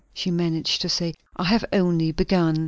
she managed to say. "I have only begun."